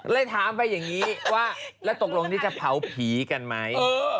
ถามไปอย่างนี้ว่าแล้วตกลงนี่จะเผาผีกันไหม